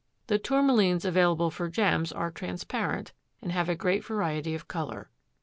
The Tourmalines available for gems are transparent and have a great variety of color.